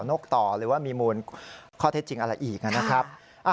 นกต่อหรือว่ามีมูลข้อเท็จจริงอะไรอีกนะครับ